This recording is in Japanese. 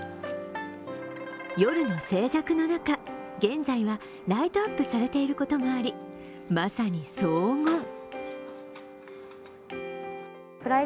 夜の静寂の中、現在はライトアップされていることもあり、まさに荘厳。